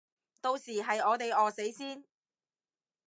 到時係我哋餓死先